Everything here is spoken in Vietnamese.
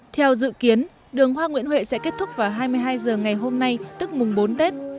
theo dự kiến đường hoa nguyễn huệ sẽ kết thúc vào hai mươi hai h ngày hôm nay tức mùng bốn tết